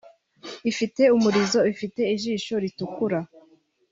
Ifite umurizo ufite ishisho ritukura